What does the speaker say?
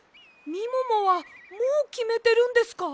みももはもうきめてるんですか？